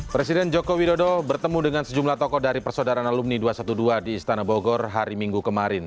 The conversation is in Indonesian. presiden joko widodo bertemu dengan sejumlah tokoh dari persaudaraan alumni dua ratus dua belas di istana bogor hari minggu kemarin